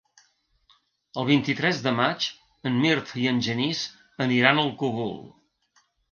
El vint-i-tres de maig en Mirt i en Genís aniran al Cogul.